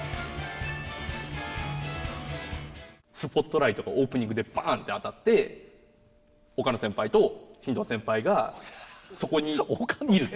スポットライトがオープニングでバーンって当たって岡野先輩と新藤先輩がそこにいる。